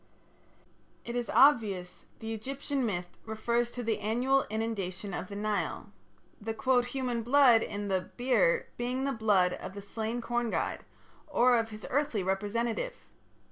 " It is obvious that the Egyptian myth refers to the annual inundation of the Nile, the "human blood" in the "beer" being the blood of the slain corn god, or of his earthly representative.